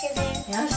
よし！